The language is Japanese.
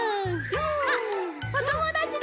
あっおともだちだ。